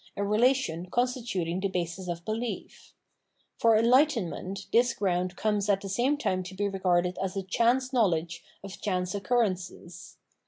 a relation constituting tlie basis of belief. For erJigbtenment this ground comes at the same time to be regarded as a chance knowledge of chance occur rences.